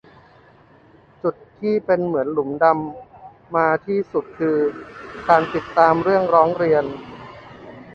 จุดที่เป็นเหมือนหลุมดำมาที่สุดคือ การติดตามเรื่องร้องเรียน